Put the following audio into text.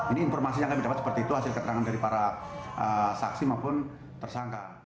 ini informasi yang kami dapat seperti itu hasil keterangan dari para saksi maupun tersangka